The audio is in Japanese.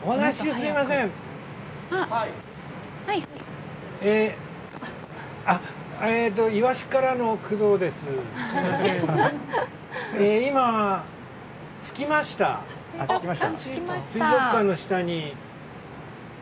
水族館の下に。